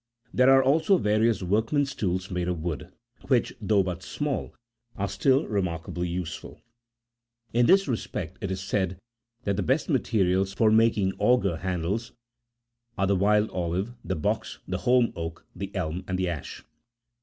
There are also various workman's tools made of wood, which, though but small, are still remarkably useful ; in this respect, it is said that the best materials for making auger handles are the wild olive, the box, the holm oak, the elm, and the ash.